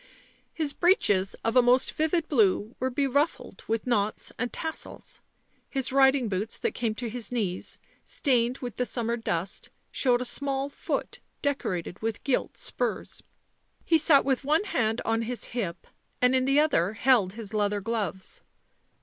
His breeches, of a most vivid blue, were beruffled with knots and tassels ; his riding boots, that came to his knees, stained with the summer dust, showed a small foot decorated with gilt spurs. He sat with one hand on his hip, and in the other held his leather gloves.